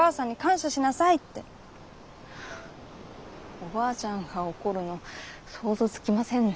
おばあちゃんが怒るの想像つきませんね。